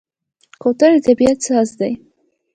کوتره د طبیعت ساز ده.